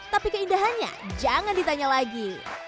tapi keindahannya jangan ditanya lagi